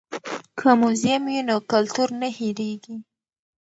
که موزیم وي نو کلتور نه هیریږي.